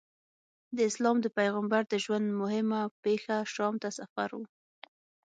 د اسلام د پیغمبر د ژوند موهمه پېښه شام ته سفر و.